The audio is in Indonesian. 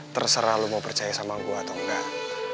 terserah lo mau percaya sama gue atau enggak